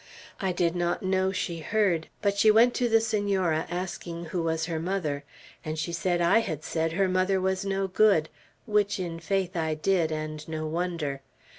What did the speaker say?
I did not know she heard; but she went to the Senora, asking who was her mother. And she said I had said her mother was no good, which in faith I did, and no wonder.